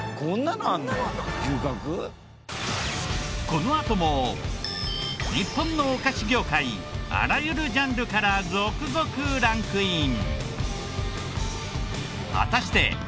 このあとも日本のお菓子業界あらゆるジャンルから続々ランクイン。